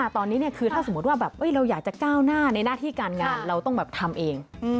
ตอนนี้คือถ้าสมมุติว่าเราอยากจะก้าวหน้าในหน้าที่การงานเราต้องทำเอง